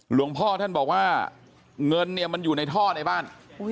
หลวงพ่อท่านบอกว่าเงินเนี่ยมันอยู่ในท่อในบ้าน